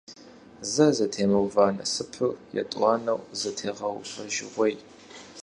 Зэ зэтемыува насыпыр етӀуанэу зэтегъэувэжыгъуейщ.